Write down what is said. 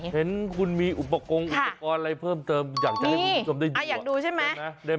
เช้นมีอุปกรณ์อุปกรณ์อะไรเพิ่มเติมอยากจะได้ยืนว่ะ